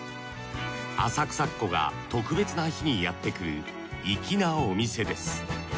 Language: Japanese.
浅草っ子が特別な日にやってくる粋なお店です。